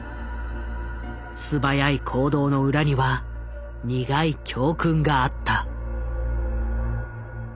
素早い行動の裏には苦い教訓があった。